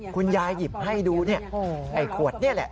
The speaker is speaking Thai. คุณยายหยิบให้ดูเนี่ยไอ้ขวดนี่แหละ